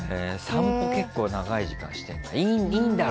散歩を結構長い時間してるんだ。